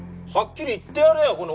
はっきり言ってやれよ！